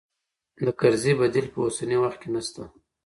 د کرزي بديل په اوسني وخت کې نه شته.